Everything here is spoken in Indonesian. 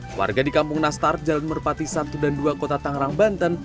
keluarga di kampung nastar jalan merpati satu dan dua kota tangerang banten